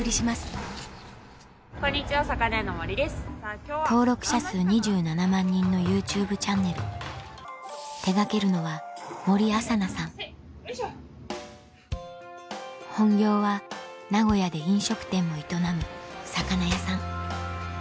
ミライに挑む冒険者がいる登録者数２７万人のＹｏｕＴｕｂｅチャンネル手掛けるのは本業は名古屋で飲食店も営む魚屋さん